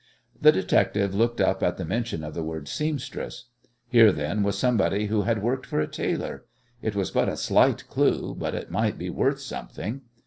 The detective looked up at the mention of the word "seamstress." Here, then, was somebody who had worked for a tailor. It was but a slight clue, yet it might be worth something.